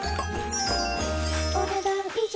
お、ねだん以上。